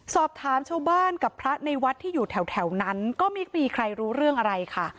สอบถามชาวบ้านกับพระในวัดที่อยู่แถวนั้นก็ไม่มีใครรู้เรื่องอะไรค่ะ